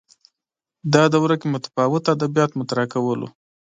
دا دوره کې متفاوت ادبیات مطرح کول